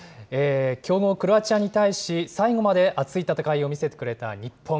強豪クロアチアに対し、最後まで熱い戦いを見せてくれた日本。